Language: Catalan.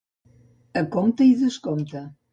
A compte i descompte.